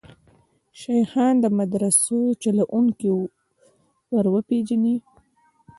شیخان د مدرسو چلوونکي وروپېژني.